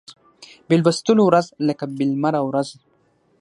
بې لوستلو ورځ لکه بې لمره ورځ